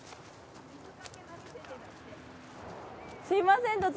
すみません